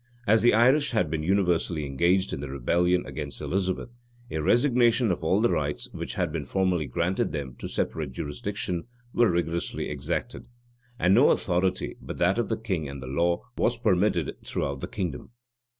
[] As the Irish had been universally engaged in the rebellion against Elizabeth, a resignation of all the rights which had been formerly granted them to separate jurisdictions, was rigorously exacted; and no authority, but that of the king and the law, was permitted throughout the kingdom.